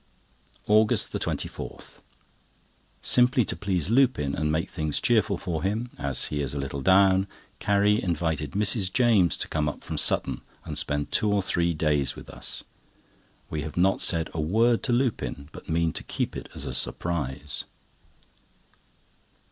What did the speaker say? AUGUST 24.—Simply to please Lupin, and make things cheerful for him, as he is a little down, Carrie invited Mrs. James to come up from Sutton and spend two or three days with us. We have not said a word to Lupin, but mean to keep it as a surprise.